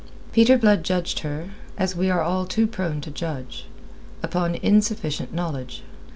Peter Blood judged her as we are all too prone to judge upon insufficient knowledge.